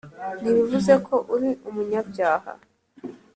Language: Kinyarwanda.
ntibivuze ko uri umunyabyaha